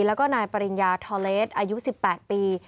แล้วก็นายปริญญาทอเลสอายุ๑๘ปี